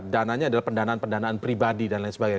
dananya adalah pendanaan pendanaan pribadi dan lain sebagainya